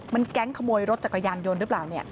มันแก๊งขโมยรถจักรยานยนต์หรือเปล่า